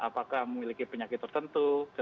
apakah memiliki penyakit tertentu